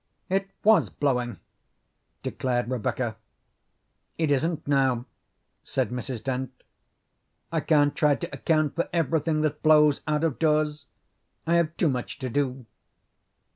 "It was blowing," declared Rebecca. "It isn't now," said Mrs. Dent. "I can't try to account for everything that blows out of doors. I have too much to do."